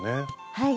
はい。